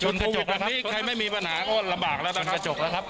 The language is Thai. จะชุนกระจกละครับ